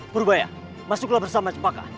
furbaya masuklah bersama cepaka